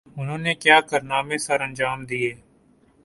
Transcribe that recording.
انہوں نے کیا کارنامے سرانجام دئیے؟